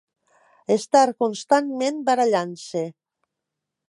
Estar constantment barallant-se.